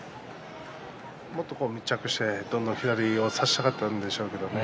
もっと密着して、どんどん左を差したかったんでしょうけどね。